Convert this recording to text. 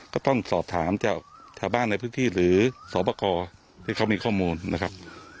ก็ต้องสอบถามจากชาวบ้านในพื้นที่หรือสอบประกอบที่เขามีข้อมูลนะครับ